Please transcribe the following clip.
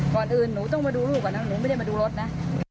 ก่อนอื่นหนูต้องมาดูลูกก่อนนะหนูไม่ได้มาดูรถนะ